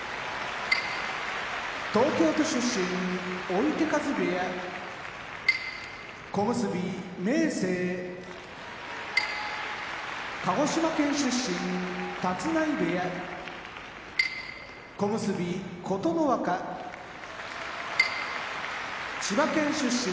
東京都出身追手風部屋小結・明生鹿児島県出身立浪部屋小結・琴ノ若千葉県出身